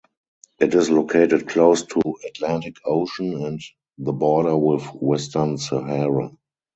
It is located close to Atlantic Ocean and the border with Western Sahara.